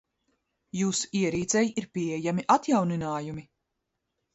Jūsu ierīcei ir pieejami atjauninājumi.